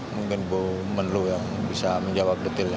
mungkin bu menlo yang bisa menjawab detilnya